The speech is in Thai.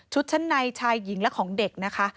ชั้นในชายหญิงและของเด็กนะคะ